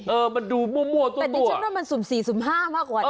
เออมันดูมั่วตัวแต่ดิฉันว่ามันสุ่ม๔สุ่มห้ามากกว่านะ